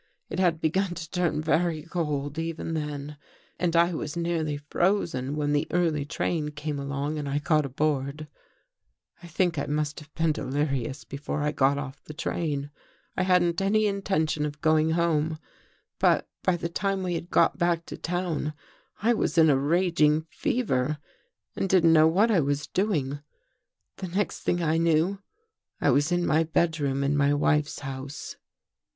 It had begun to turn very cold even then, and I was nearly frozen when the early train came along and I got aboard. I think I must have been 256 THE THIRD CONFESSION delirious before I got off the train. I hadn't any intention of going home, but by the time we had got back to town, I was in a raging fever and didn't know what I was doing. The next thing I knew, I was in my bedroom in my wife's house.